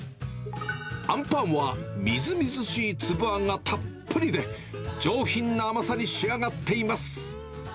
あんパンは、みずみずしいつぶあんがたっぷりで、上品な甘さに仕上がっています。